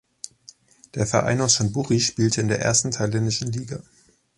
Der Verein aus Chonburi spielte in der ersten thailändischen Liga.